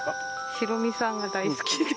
ヒロミさんが大好きで。